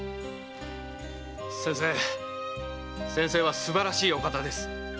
先生先生はすばらしいお方です。